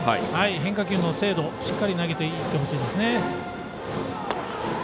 変化球の精度しっかり投げていってほしいです。